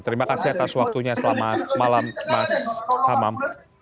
terima kasih atas waktunya selamat malam mas hamam